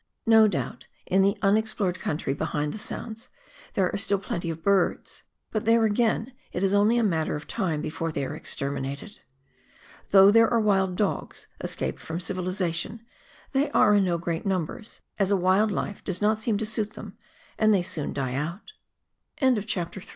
No doubt, in the unexplored country behind the Sounds, there are still plenty of birds ; but there, again, it is only a matter of time before they are exterminated. Though there are wild dogs, escaped from civilisation, they are in no great numbers, as a wild life does not seem t